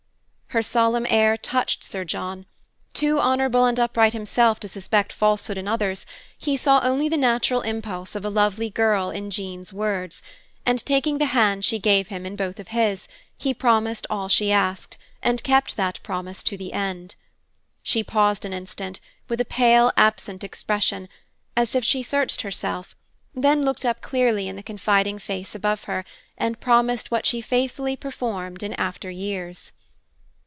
Her solemn air touched Sir John. Too honorable and upright himself to suspect falsehood in others, he saw only the natural impulse of a lovely girl in Jean's words, and, taking the hand she gave him in both of his, he promised all she asked, and kept that promise to the end. She paused an instant, with a pale, absent expression, as if she searched herself, then looked up clearly in the confiding face above her, and promised what she faithfully performed in afteryears.